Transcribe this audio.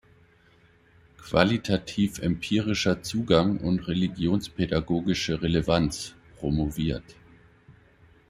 Qualitativ-empirischer Zugang und religionspädagogische Relevanz“" promoviert.